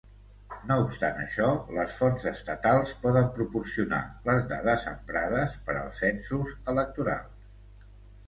No obstant això, les fonts estatals poden proporcionar les dades emprades per als censos electorals.